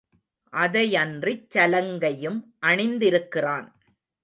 அதையன்றிச் சலங்கையும் அணிந்திருக்கிறான்.